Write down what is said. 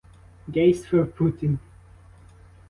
Gays for Putin!